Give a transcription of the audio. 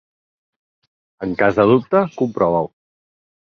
En cas de dubte, comprova-ho.